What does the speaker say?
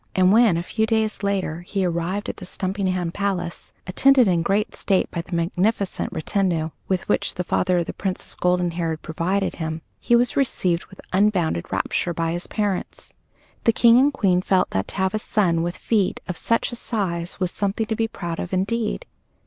And when, a few days later, he arrived at the Stumpinghame Palace, attended in great state by the magnificent retinue with which the father of the Princess Goldenhair had provided him, he was received with unbounded rapture by his parents. The King and Queen felt that to have a son with feet of such a size was something to be proud of, indeed.